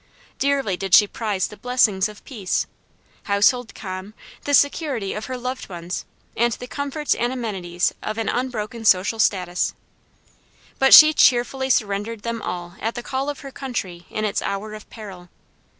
Dearly did she prize the blessings of peace household calm, the security of her loved ones, and the comforts and amenities of an unbroken social status. But she cheerfully surrendered them all at the call of her country in its hour of peril.